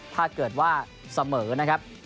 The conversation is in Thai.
ถ้าเกิดว่าเสมอนะครับ